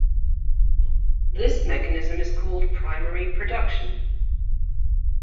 This mechanism is called primary production.